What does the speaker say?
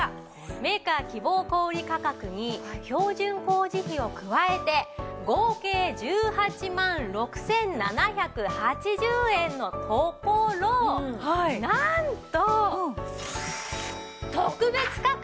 メーカー希望小売価格に標準工事費を加えて合計１８万６７８０円のところなんと。